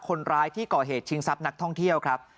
คนร้ายที่ก่อเหตุชิงทรัพย์นักท่องเที่ยวครับ